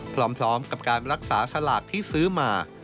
พร้อมกับการรักษาสลากที่ซื้อมา